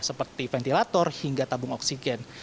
seperti ventilator hingga tabung oksigen